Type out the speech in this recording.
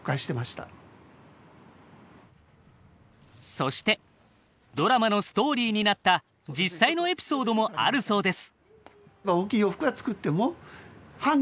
そしてドラマのストーリーになった実際のエピソードもあるそうです。